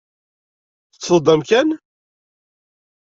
Teṭṭfeḍ-d amkan?